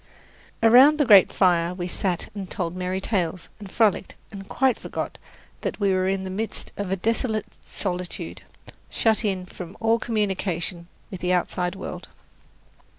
Around the great fire we sat and told merry tales, and frolicked, and quite forgot that we were in the midst of a desolate solitude, shut in from all communication with the outside world.